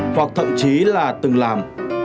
hoặc thậm chí là từng làm